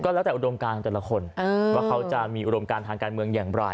แล้วแต่อุดมการแต่ละคนว่าเขาจะมีอุดมการทางการเมืองอย่างไร